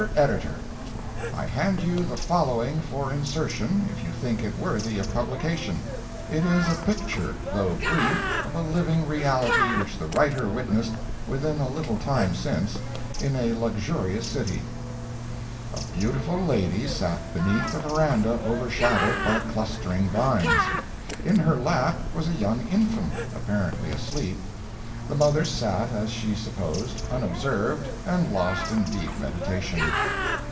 EDITOR—I hand you the following for insertion, if you think it worthy of publication; it is a picture, though brief, of a living reality which the writer witnessed, within a little time since, in a luxurious city: A beautiful lady sat beneath a verandah overshadowed by clustering vines; in her lap was a young infant, apparently asleep; the mother sat, as she supposed, unobserved, and lost in deep meditation.